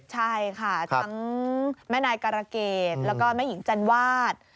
ใช่ค่ะทั้งแม่นายการะเกดแล้วก็แม่หญิงจันวาด